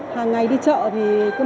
hàng ngày đi chợ thì cứ mang